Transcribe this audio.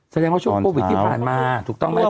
แสดงว่าช่วงโควิดที่ผ่านมา